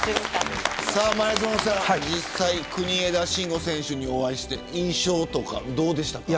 前園さん、実際国枝慎吾選手にお会いして印象とか、どうでしたか。